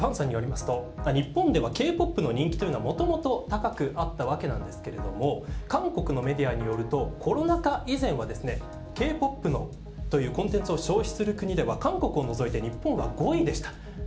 日本ではもともとＫＰＯＰの人気は高かったわけですが韓国メディアによるとコロナ禍以前はＫ‐ＰＯＰというコンテンツを消費する国では韓国を除いて日本は５位でした。